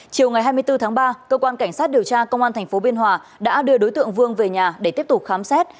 chiều ngày hai mươi bốn tháng ba cơ quan cảnh sát điều tra công an tp biên hòa đã đưa đối tượng vương về nhà để tiếp tục khám xét